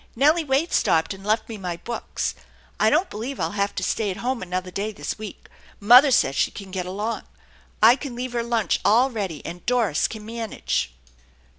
Nellie Waite stopped^ and left me my books. I don't believe I'll have to stay at home another day this week. Mother says she can get along. I can leave her lunch all ready, and Doris can manage."